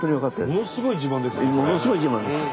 ものすごい自慢です。